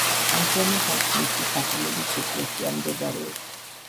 ამჟამად იქ მისი სახელობის ეკლესია მდებარეობს.